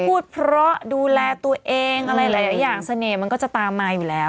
พูดเพราะดูแลตัวเองอะไรหลายอย่างเสน่ห์มันก็จะตามมาอยู่แล้ว